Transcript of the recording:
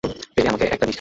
পেলে আমাকে একটা দিস।